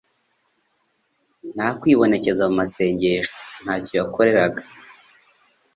nta kwibonekeza mu masengesho; ntacyo yakoreraga